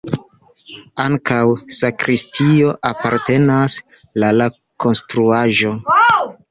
Ankaŭ sakristio apartenas la la konstruaĵo.